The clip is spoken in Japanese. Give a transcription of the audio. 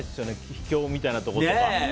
秘境みたいなところとか。